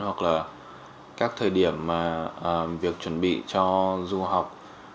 hoặc là các thời điểm mà việc chuẩn bị cho du học